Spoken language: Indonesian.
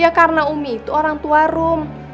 ya karena rumi itu orang tua rumi